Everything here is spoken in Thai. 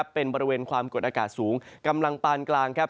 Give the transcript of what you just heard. เป็นบริเวณความกดอากาศสูงกำลังปานกลางครับ